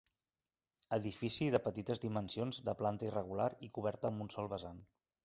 Edifici de petites dimensions de planta irregular i coberta amb un sol vessant.